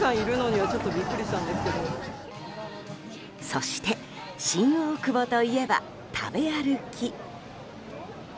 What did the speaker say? そして、新大久保といえば食べ歩き。